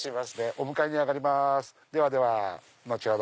お迎えに上がります後ほど。